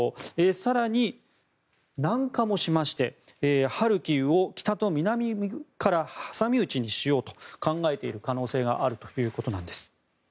更に、南下もしましてハルキウを北と南から挟み撃ちにしようと考えている可能性があるということなんです。